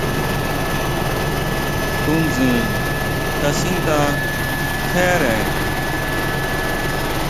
Tunsin kasindá tjere.